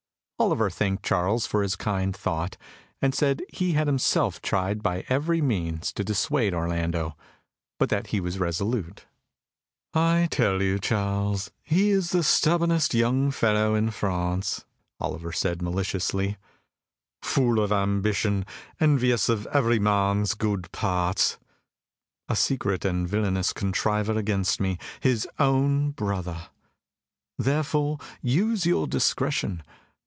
Oliver thanked Charles for his kind thought, and said he had himself tried by every means to dissuade Orlando, but that he was resolute. "I tell you, Charles, he is the stubbornest young fellow in France," Oliver said maliciously, "full of ambition, envious of every man's good parts, a secret and villainous contriver against me, his own brother. Therefore use your discretion.